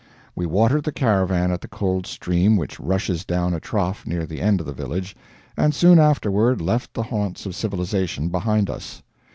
We watered the caravan at the cold stream which rushes down a trough near the end of the village, and soon afterward left the haunts of civilization behind us.